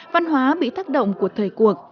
văn hóa bị thác động của thời cuộc